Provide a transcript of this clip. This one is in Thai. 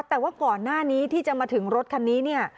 แต่ว่าก่อนหน้านี้ที่จะมาถึงรถคันนี้เนี่ย